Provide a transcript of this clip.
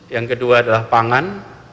yang kedua adalah pangan